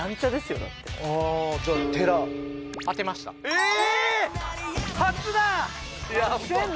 えっ！